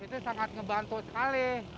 itu sangat ngebantu sekali